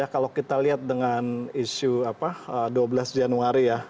kalau kita lihat dengan isu dua belas januari ya